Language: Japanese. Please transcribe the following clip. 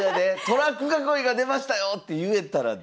トラック囲いが出ましたよって言えたら。